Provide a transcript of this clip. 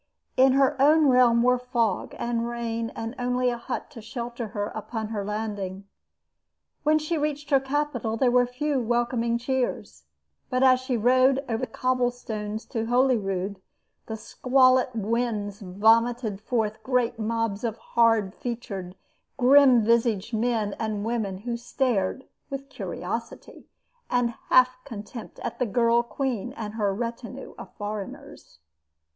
In her own realm were fog and rain and only a hut to shelter her upon her landing. When she reached her capital there were few welcoming cheers; but as she rode over the cobblestones to Holyrood, the squalid wynds vomited forth great mobs of hard featured, grim visaged men and women who stared with curiosity and a half contempt at the girl queen and her retinue of foreigners.